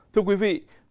thưa quý vị và các bạn